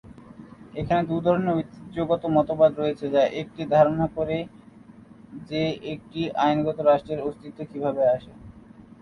এখানে দু ধরনের ঐতিহ্যগত মতবাদ রয়েছে যা একটি ধারণা প্রদান করে যে একটি আইনত রাষ্ট্রের অস্তিত্ব কিভাবে আসে।